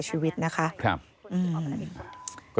ที่อ๊อฟวัย๒๓ปี